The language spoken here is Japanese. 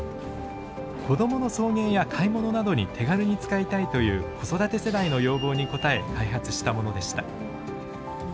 子どもの送迎や買い物などに手軽に使いたいという子育て世代の要望に応え開発したものでした。